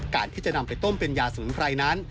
การที่จะนำไปต้มเป็นยาสมุนไพรนั้น